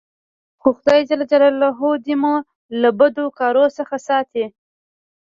خو خداى جل جلاله دي مو له بدو کارو څخه ساتي.